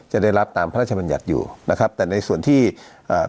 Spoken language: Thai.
จะได้รับตามพระราชบัญญัติอยู่นะครับแต่ในส่วนที่อ่า